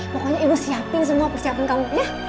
pokoknya ibu siapin semua persiapan kamu